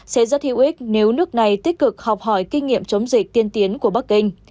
sẽ rất hữu ích nếu nước này tích cực học hỏi kinh nghiệm chống dịch tiên tiến của bắc kinh